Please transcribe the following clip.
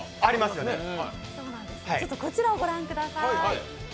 こちらをご覧ください。